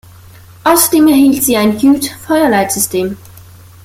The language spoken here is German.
Außerdem erhielt sie ein Hughes-Feuerleitsystem.